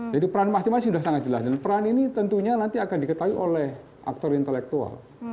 jadi peran masing masing sudah sangat jelas dan peran ini tentunya nanti akan diketahui oleh aktor intelektual